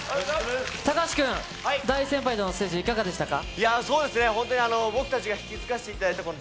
高橋君、大先輩とのステージ、いかがでしたか。